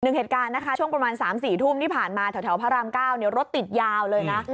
เหตุการณ์นะคะช่วงประมาณ๓๔ทุ่มที่ผ่านมาแถวพระราม๙รถติดยาวเลยนะ